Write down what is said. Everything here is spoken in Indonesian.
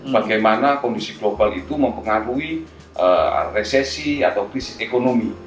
bagaimana kondisi global itu mempengaruhi resesi atau krisis ekonomi